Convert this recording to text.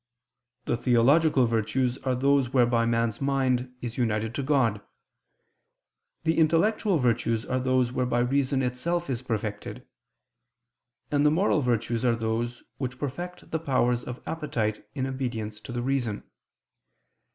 The theological virtues are those whereby man's mind is united to God; the intellectual virtues are those whereby reason itself is perfected; and the moral virtues are those which perfect the powers of appetite in obedience to the reason.